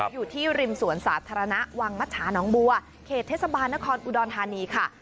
อยู่ที่ริมสวนสาธารณะวังมัชชาน้องบัวเขตเทศบาลนครอุดรธานีค่ะ